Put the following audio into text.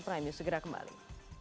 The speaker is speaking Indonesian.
prime news segera kembali